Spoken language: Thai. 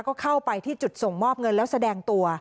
ก็เข้าไปที่จุดส่งมอบเงินแล้วแสดงตัว